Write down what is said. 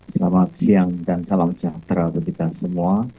selamat siang dan salam sejahtera untuk kita semua